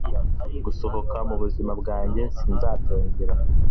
gusohoka mubuzima bwanjye sinzabyongera